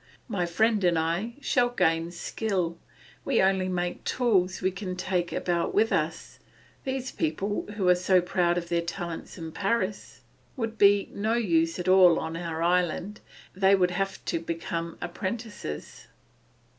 My friend and I try to gain skill; we only make tools we can take about with us; these people, who are so proud of their talents in Paris, would be no use at all on our island; they would have to become apprentices."